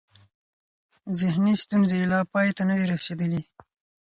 ذهني ستونزې یې لا پای ته نه دي رسېدلې.